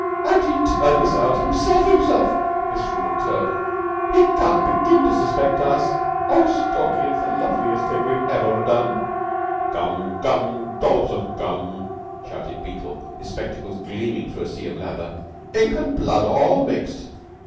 "And he turned us out himself himself him_self_!" This from McTurk. "He can't begin to suspect us. Oh, Stalky, it's the loveliest thing we've ever done." "Gum! Gum! Dollops of gum!" shouted Beetle, his spectacles gleaming through a sea of lather. "Ink and blood all mixed.